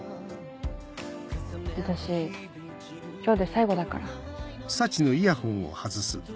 私今日で最後だから。